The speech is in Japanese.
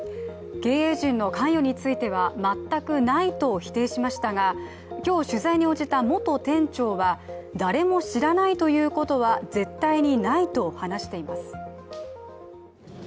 経営陣の関与については全くないと否定しましたが今日取材に応じた元店長は誰も知らないということは絶対にないと話しています。